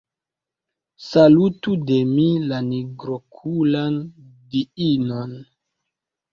Salutu de mi la nigrokulan diinon.